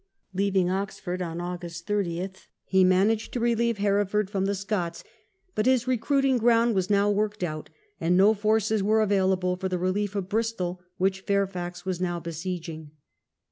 Leaving Oxford on August 30 he managed to relieve Hereford a Royal from the Scots, but his recruiting ground was fugitive, now worked out, and no forces were available for the relief of Bristol, which Fairfax was now besieging.